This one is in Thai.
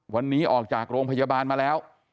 วันนี้ออกจากโรงพยาบาลมาแล้ว